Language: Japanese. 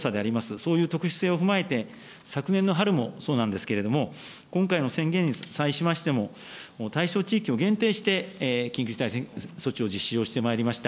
そういう特殊性を踏まえて、昨年の春もそうなんですけれども、今回の宣言に際しましても、対象地域を限定して緊急事態措置を実施をしてまいりました。